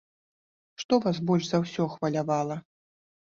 Што вас больш за ўсё хвалявала?